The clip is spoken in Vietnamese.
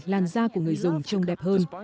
làn da của người dùng trông đẹp hơn